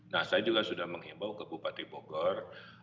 nah saya juga sudah menghimbau ke bupati bogor